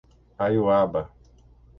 Aiuaba